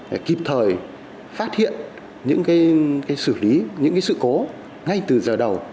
để kịp thời phát hiện những xử lý những sự cố ngay từ giờ đầu